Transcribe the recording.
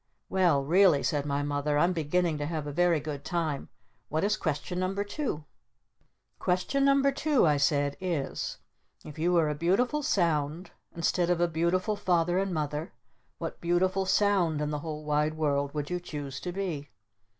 "Well really," said my Mother, "I'm beginning to have a very good time. What is Question No. 2?" "Question No. 2," I said, "is: If you were a Beautiful Sound instead of a Beautiful Father and Mother, what Beautiful Sound in the whole wide world would you choose to be?"